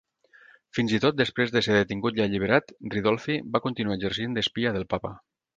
Fins i tot desprès de ser detingut i alliberat, Ridolfi va continuar exercint d'espia del Papa.